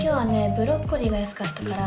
ブロッコリーが安かったから。